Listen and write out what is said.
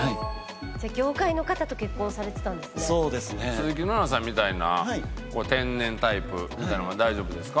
鈴木奈々さんみたいな天然タイプみたいなのは大丈夫ですか？